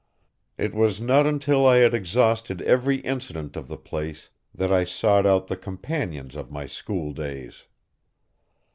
It was not until I had exhausted every incident of the place that I sought out the companions of my school days.